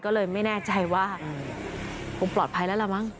ก็เลยไม่แน่ใจว่าคงปลอดภัยแล้วล่ะมั้ง